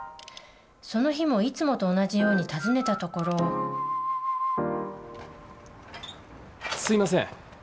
その日もいつもと同じように訪ねたところすいません。